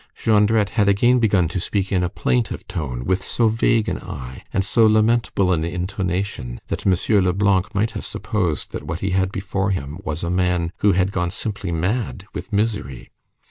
Jondrette had again begun to speak in a plaintive tone, with so vague an eye, and so lamentable an intonation, that M. Leblanc might have supposed that what he had before him was a man who had simply gone mad with misery.